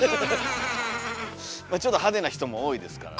まあちょっと派手な人も多いですからね。